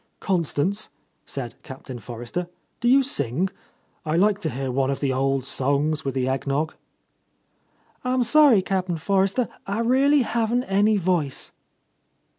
"Constance," said Captain Forrester, "do you sing? I like to hear one of the old songs with the egg nog." "Ah'm sorry, Cap'n Forrester. Ah really haven't any voice."